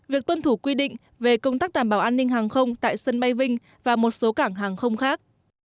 việc tuân thủ quy định về công tác đảm bảo an ninh hàng không tại sân bay vinh và một số cảng hàng không khác